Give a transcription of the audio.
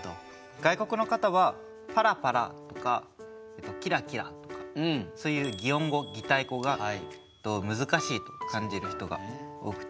外国の方はパラパラとかキラキラとかそういう擬音語・擬態語が難しいと感じる人が多くて。